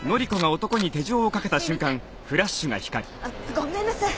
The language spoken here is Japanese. ごめんなさい。